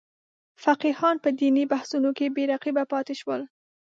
فقیهان په دیني بحثونو کې بې رقیبه پاتې شول.